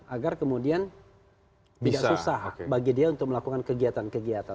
agar kemudian tidak susah bagi dia untuk melakukan kegiatan kegiatan